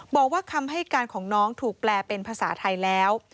บอกว่าคำให้การของน้องถูกแปลเป็นภาษาไทยแล้ว